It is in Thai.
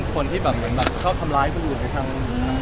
คนที่เขาทำร้ายผู้หญิงไปทั้ง